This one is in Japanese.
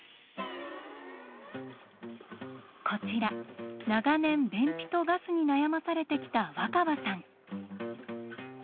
こちら長年便秘とガスに悩まされてきた若葉さん。